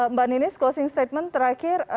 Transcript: mbak ninis closing statement terakhir